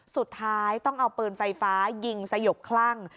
สุดท้ายต้องเอาปืนไฟฟ้ายิงสยบคลั่ง